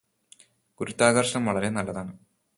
ഗുരുത്വാകര്ഷണം വളരെ നല്ലതാണ്